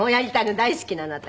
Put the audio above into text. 大好きなの私。